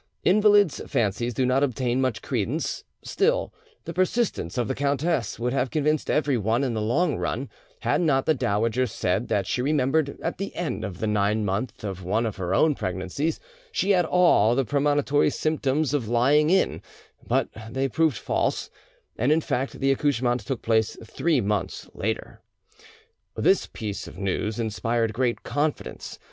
Invalids' fancies do not obtain much credence; still, the persistence of the countess would have convinced everyone in the long run, had not the dowager said that she remembered at the end of the ninth month of one of her own pregnancies she had all the premonitory symptoms of lying in, but they proved false, and in fact the accouchement took place three months later. This piece of news inspired great confidence.